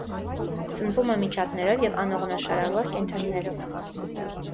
Սնվում է միջատներով և անողնաշարավոր կենդանիներով։